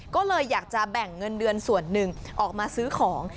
ก็เลยอยากจะแบ่งเงินเดือนส่วนหนึ่งออกมาซื้อของ